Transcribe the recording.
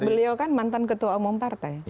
beliau kan mantan ketua umum partai